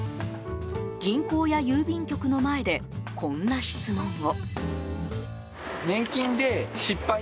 銀行や郵便局の前でこんな質問を。